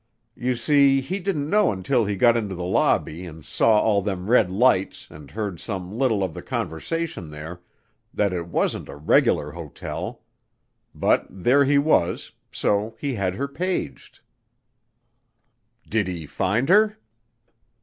You see he didn't know until he got into the lobby and saw all them red lights and heard some little of the conversation there, that it wasn't a regular hotel. But there he was so he had her paged." "Did he find her?"